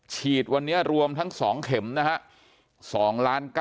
ฉีดวันนี้รวมทั้ง๒เข็มนะฮะ